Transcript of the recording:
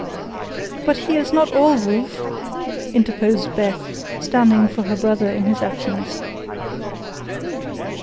"But he is not all wolf," interposed Beth, standing for her brother in his absence.